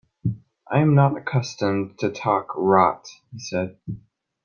'I am not accustomed to talk rot,' he said.